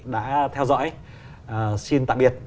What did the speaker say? đã theo dõi xin tạm biệt